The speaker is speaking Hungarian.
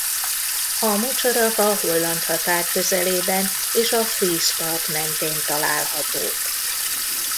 A mocsarak a holland határ közelében és a fríz part mentén találhatók.